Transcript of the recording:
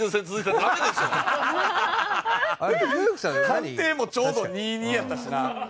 判定もちょうど２：２やったしな。